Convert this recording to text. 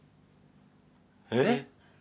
えっ？